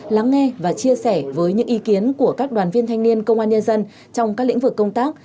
lắng nghe và chia sẻ với những ý kiến của các đoàn viên thanh niên công an nhân dân trong các lĩnh vực công tác